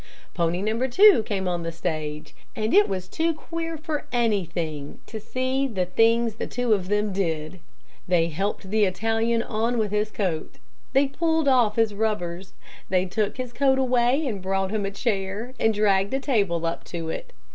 Pony number two came on the stage, and it was too queer for anything to see the things the two of them did. They helped the Italian on with his coat, they pulled off his rubbers, they took his coat away and brought him a chair, and dragged a table up to it.